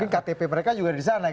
ktp mereka juga di sana